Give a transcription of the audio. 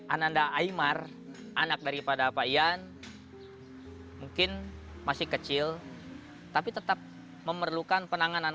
ananda aymar anak daripada pak ian mungkin masih kecil tapi tetap memerlukan penanganan